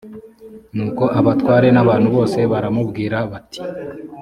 nuko abatware n abantu bose baramubwira bati